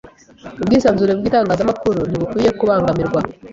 Ubwisanzure bw'itangazamakuru ntibukwiye kubangamirwa.